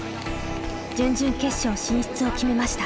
準々決勝進出を決めました。